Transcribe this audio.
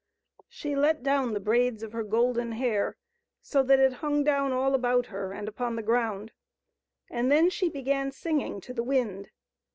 She let down the braids of her golden hair, so that it hung down all about her and upon the ground, and then she began singing to the wind.